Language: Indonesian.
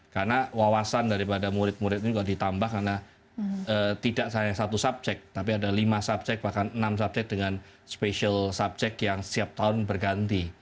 karena wawasan dari murid murid ini juga ditambah karena tidak hanya satu subjek tapi ada lima subjek bahkan enam subjek dengan special subjek yang setiap tahun berganti